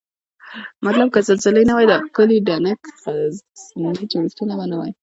مطلب که زلزلې نه وای دا ښکلي دنګ غرني جوړښتونه به نوای